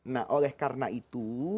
nah oleh karena itu